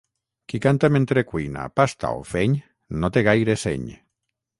Qui canta mentre cuina, pasta o feny no té gaire seny.